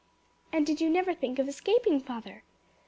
"And did you never think of escaping, father?"